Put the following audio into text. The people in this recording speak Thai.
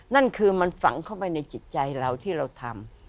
นั่นคือมันฝังเข้าไปในจิตใจเราที่เราทำ